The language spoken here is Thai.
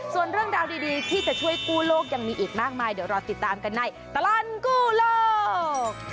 ส่วนเรื่องราวดีที่จะช่วยกู้โลกยังมีอีกมากมายเดี๋ยวรอติดตามกันในตลอดกู้โลก